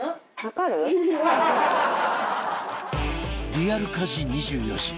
リアル家事２４時